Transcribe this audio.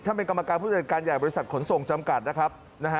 เป็นกรรมการผู้จัดการใหญ่บริษัทขนส่งจำกัดนะครับนะฮะ